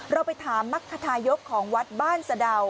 เราไปถามมทธิยกของวัดบ้านสดาว